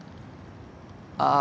ああ。